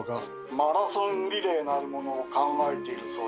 ☎マラソンリレーなるものを考えているそうじゃないか。